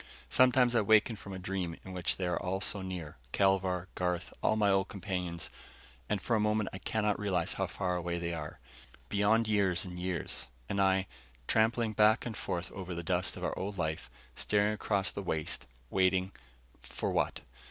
Sometimes I waken from a dream in which they are all so near Kelvar, Garth, all my old companions and for a moment I cannot realize how far away they are. Beyond years and years. And I, trampling back and forth over the dust of our old life, staring across the waste, waiting for what?